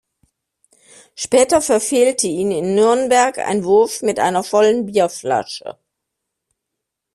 Später verfehlte ihn in Nürnberg ein Wurf mit einer vollen Bierflasche.